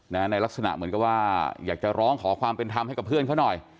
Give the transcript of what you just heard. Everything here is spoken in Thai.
ในลักษณะเหมือนกับว่าอยากจะร้องขอความเป็นธรรมให้กับเพื่อนเขาหน่อย